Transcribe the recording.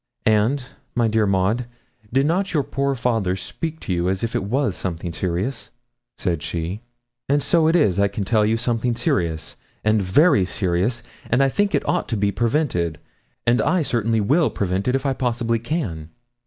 'And, my dear Maud, did not your poor father speak to you as if it was something serious?' said she. 'And so it is, I can tell you, something serious, and very serious; and I think it ought to be prevented, and I certainly will prevent it if I possibly can.'